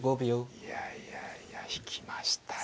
いやいやいや引きましたよ。